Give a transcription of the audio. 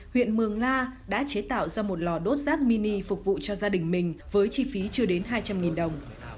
huyện mường la đã chế tạo ra một lò đốt rác mini phục vụ cho gia đình mình với chi phí chưa đến hai trăm linh đồng